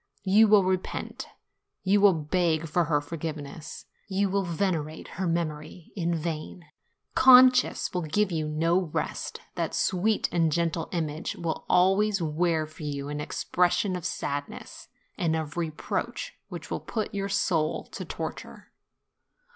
You will repent, you will beg for her forgive ness, you will venerate her memory in vain; conscience will give you no rest; that sweet and gentle image will always wear for you an expression of sadness and of reproach which will put your soul to torture.